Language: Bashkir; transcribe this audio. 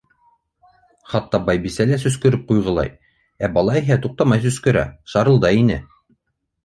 Хатта Байбисә лә сөскөрөп ҡуйғылай, ә бала иһә туҡтамай сөскөрә, шарылдай ине.